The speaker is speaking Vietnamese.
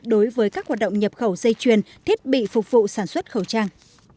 đối với các hoạt động nhập khẩu dây chuyền thiết bị phục vụ sản xuất khẩu trang